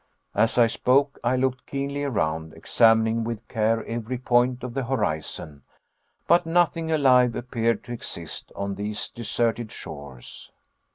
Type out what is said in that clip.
As I spoke, I looked keenly around, examining with care every point of the horizon; but nothing alive appeared to exist on these deserted shores.